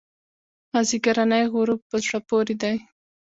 مازیګرنی غروب په زړه پورې دی.